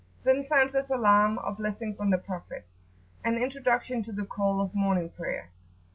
Then sounds the Salam, or Blessings on the Prophet,[FN#4] an introduction to the Call of Morning Prayer.